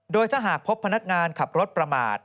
โดยถ้าหากพบพนักงานขับรถประมาท